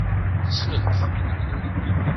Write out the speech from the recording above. Ssnent.